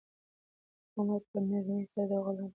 عمر په نرمۍ سره د غلام پر اوږه لاس کېښود.